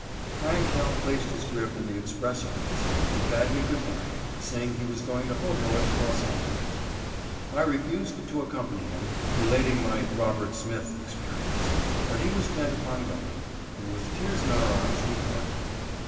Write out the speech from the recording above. Franck now placed his grip in the express office and bade me good bye, saying he was going to hobo it to Los Angeles. I refused to accompany him, relating my "Robert Smith" experience, but he was bent upon going, and with tears in our eyes we parted.